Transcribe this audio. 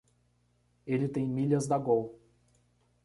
Ele tem milhas da Gol.